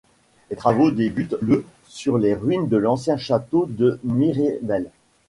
Les travaux débutent le sur les ruines de l’ancien château de Miribel.